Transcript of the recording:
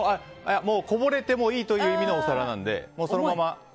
こぼれてもいいという意味のお皿なので。